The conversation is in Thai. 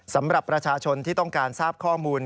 สำหรับประชาชนที่ต้องการทราบข้อมูล